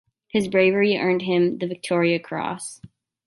His bravery earned him the Victoria Cross.